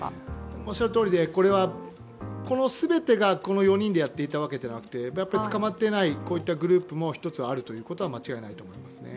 おっしゃるとおりで、この全てがこの４人でやっていたわけではなくて捕まっていないこういうグループも１つはあるということは間違いないと思います。